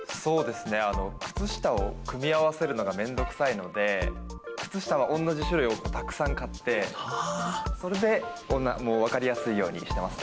靴下を組み合わせるのが面倒臭いので靴下は同じ種類をたくさん買ってそれでわかりやすいようにしてますね。